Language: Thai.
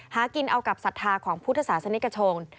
หากินเอากับศรัทธาของพุทธศาสนิกชน